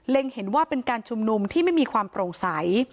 เห็นว่าเป็นการชุมนุมที่ไม่มีความโปร่งใส